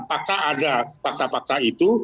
pakca ada pakca pakca itu